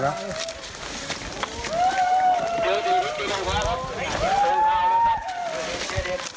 ตรงไหน